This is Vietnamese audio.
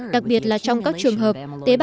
đặc biệt là trong các trường hợp